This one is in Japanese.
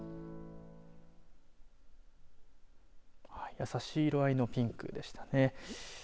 やさしい色合いのピンクでしたね。